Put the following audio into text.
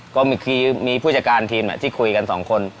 ก็คือมีผู้จัดการทีมที่คุยกันสองคน